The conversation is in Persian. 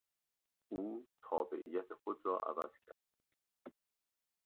او تابعیت خود را عوض کرد.